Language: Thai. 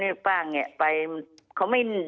เดี๋ยวขอกลับไปตอน